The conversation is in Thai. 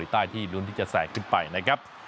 ใต้ที่ลุ้นที่จะแสงขึ้นไปนะครับ